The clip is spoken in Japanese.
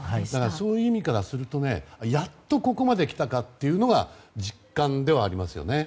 そういう意味からするとやっとここまで来たかというのが実感ではありますよね。